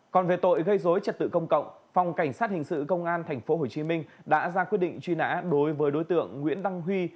còn về tội gây dối trật tự công cộng phòng cảnh sát hình sự công an tp hcm đã ra quyết định truy nã đối với đối tượng nguyễn đăng huy